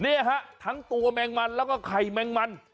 เนี่ยฮะทั้งตัวแมงมันแล้วก็ไข่แมงมัน